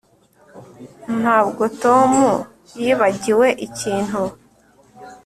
Ntabwo Tom yibagiwe ikintu